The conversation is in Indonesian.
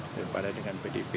daripada dengan pdp